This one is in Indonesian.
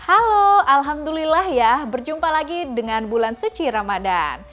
halo alhamdulillah ya berjumpa lagi dengan bulan suci ramadan